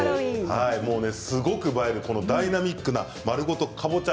すごく映えるダイナミックな丸ごとかぼちゃ